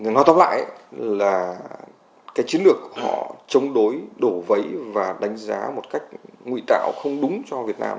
nói tóc lại là cái chiến lược họ chống đối đổ vấy và đánh giá một cách nguy tạo không đúng cho việt nam